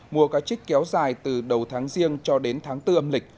mua cá trích kéo dài từ đầu tháng riêng cho đến tháng tư âm lịch